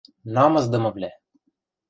Намысдымывлӓ!..